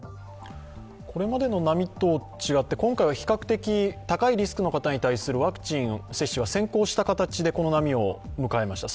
これまでの波と違って、今回は比較的高いリスクの方に対するワクチン接種が先行した形でこの波を迎えました。